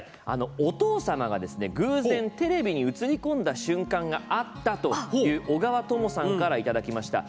お父様が偶然テレビに映り込んだ瞬間があったという小川朋さんからいただきました。